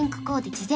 事前